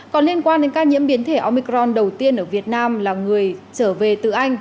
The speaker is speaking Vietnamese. còn liên quan đến ca nhiễm biến thể omicron đầu tiên ở việt nam là người trở về từ anh